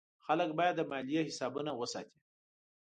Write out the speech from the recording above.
خلک باید د مالیې حسابونه وساتي.